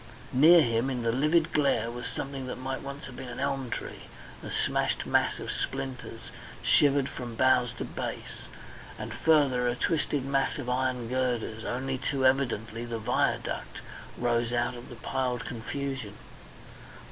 Near him in the livid glare was something that might once have been an elm tree, a smashed mass of splinters, shivered from boughs to base, and further a twisted mass of iron girders only too evidently the viaduct rose out of the piled confusion.